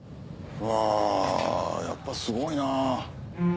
うわやっぱすごいな。